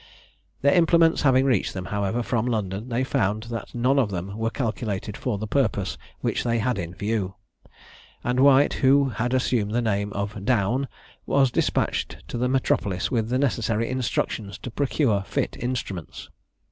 Their implements having reached them, however, from London, they found that none of them were calculated for the purpose which they had in view, and White, who had assumed the name of Down, was despatched to the metropolis with the necessary instructions to procure fit instruments.